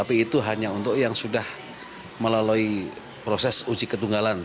itu hanya untuk yang sudah melalui proses uji ketinggalan